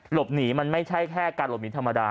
หลบหนีมันไม่ใช่แค่การหลบหนีธรรมดา